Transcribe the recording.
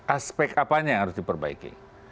aspek apanya yang harus diperbaiki